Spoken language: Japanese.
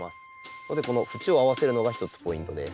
それでこの縁を合わせるのが一つポイントです。